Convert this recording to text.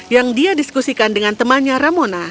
yang dia diskusikan dengan temannya ramona